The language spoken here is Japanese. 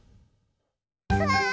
うわ！